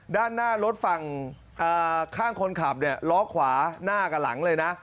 ด้านหน้ารถฝั่งข้างคนขับเนี่ยล้อขวาหน้ากับหลังเลยนะ